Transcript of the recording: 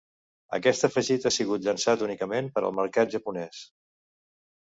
Aquest afegit ha sigut llançat únicament per al mercat japonés.